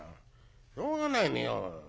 しょうがないね。